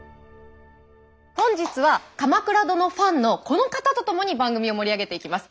本日は「鎌倉殿」ファンのこの方と共に番組を盛り上げていきます。